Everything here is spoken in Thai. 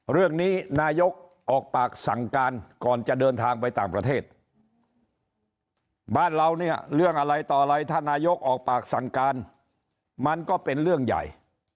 เรื่องนี้นายกออกปากสั่งการก่อนจะเดินทางไปต่างประเทศบ้านเราเนี่ยเรื่องอะไรต่ออะไรท่านนายกออกปากสั่งการมันก็เป็นเรื่องใหญ่